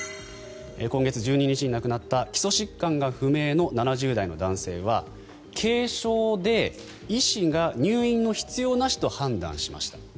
今月１２日に亡くなった基礎疾患が不明の７０代の男性は軽症で医師が入院の必要なしと判断しました。